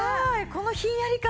このひんやり感